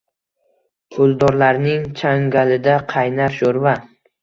Puldorlarning changalida qaynar shoʼrva.